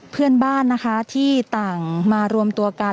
เพื่อนบ้านนะคะที่ต่างมารวมตัวกัน